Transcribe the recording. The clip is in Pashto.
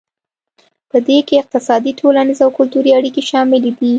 پدې کې اقتصادي ټولنیز او کلتوري اړیکې شاملې دي